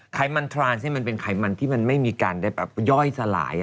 ไขมันทรานที่มันเป็นไขมันที่มันไม่มีการได้แบบย่อยสลาย